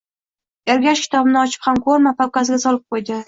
Ergash kitobini ochib ham ko‘rmay, papkasiga solib qo‘ydi